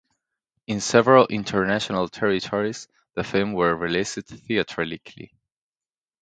In several international territories, the films were released theatrically.